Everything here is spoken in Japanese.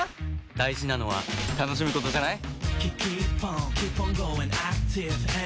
大事なのは楽しむことじゃない？